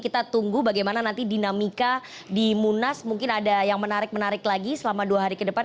kita tunggu bagaimana nanti dinamika di munas mungkin ada yang menarik menarik lagi selama dua hari ke depan